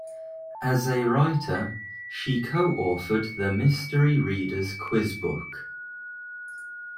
As a writer, she coauthored "The Mystery Reader's Quiz Book".